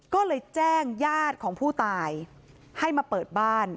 ก็เลยแจ้งญาติของผู้ตายให้มาเปิดบ้าน